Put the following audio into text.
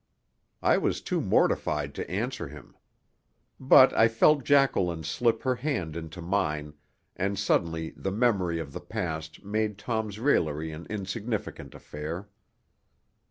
I was too mortified to answer him. But I felt Jacqueline slip her hand into mine, and suddenly the memory of the past made Tom's raillery an insignificant affair.